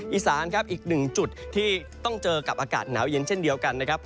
อีสานครับอีกหนึ่งจุดที่ต้องเจอกับอากาศหนาวเย็นเช่นเดียวกันนะครับ